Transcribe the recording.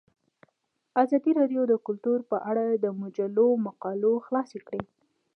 ازادي راډیو د کلتور په اړه د مجلو مقالو خلاصه کړې.